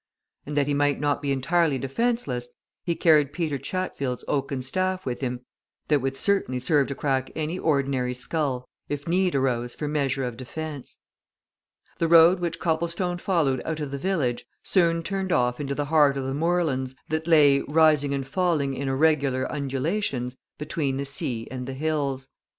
And that he might not be entirely defenceless he carried Peter Chatfield's oaken staff with him that would certainly serve to crack any ordinary skull, if need arose for measure of defence. The road which Copplestone followed out of the village soon turned off into the heart of the moorlands that lay, rising and falling in irregular undulations, between the sea and the hills.